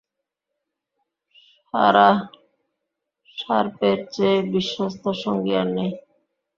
Sarah শার্পের চেয়ে বিশ্বস্ত সঙ্গী আর নেই।